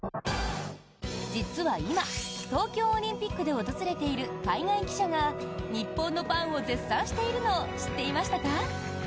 実は今、東京オリンピックで訪れている海外記者が日本のパンを絶賛しているのを知ってましたか？